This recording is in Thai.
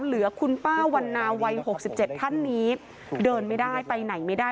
เหลือคุณป้าวันนาวัย๖๗ท่านนี้เดินไม่ได้ไปไหนไม่ได้